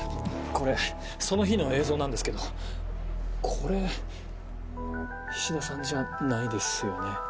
これその日の映像なんですけどこれ菱田さんじゃないですよね？